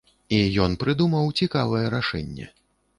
І ён прыдумаў цікавае рашэнне.